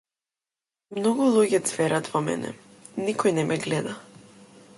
Многу луѓе ѕверат во мене, никој не ме гледа.